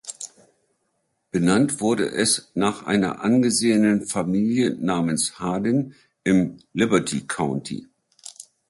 Benannt wurde es nach einer angesehenen Familie namens Hardin im Liberty County.